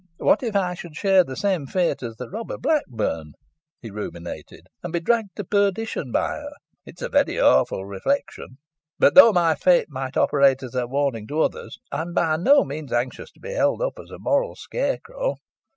"What if I should share the same fate as the robber Blackburn," he ruminated, "and be dragged to perdition by her? It is a very awful reflection. But though my fate might operate as a warning to others, I am by no means anxious to be held up as a moral scarecrow.